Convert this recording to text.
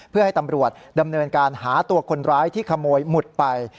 เพื่อให้ตำรวจดำเนินการหาตัวคนร้ายที่ขโมยหมุดไป